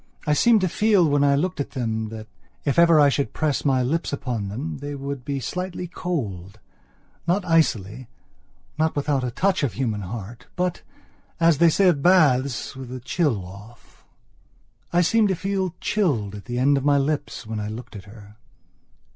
I seemed to feel when I looked at them that, if ever I should press my lips upon them that they would be slightly coldnot icily, not without a touch of human heat, but, as they say of baths, with the chill off. I seemed to feel chilled at the end of my lips when I looked at her...